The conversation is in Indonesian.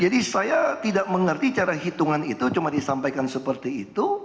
jadi saya tidak mengerti cara hitungan itu cuma disampaikan seperti itu